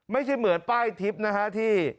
ไม่ใช่เหมือนป้ายทิปที่